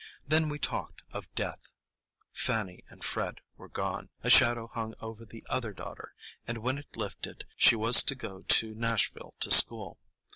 Then we talked of death: Fanny and Fred were gone; a shadow hung over the other daughter, and when it lifted she was to go to Nashville to school.